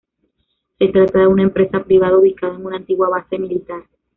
Se trata de una empresa privada ubicada en una antigua base militar.